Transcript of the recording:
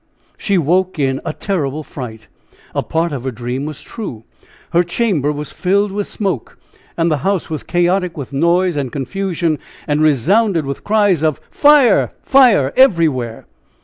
She woke in a terrible fright. A part of her dream was true! Her chamber was filled with smoke, and the house was chaotic with noise and confusion, and resounded with cries of "Fire! Fire!" everywhere.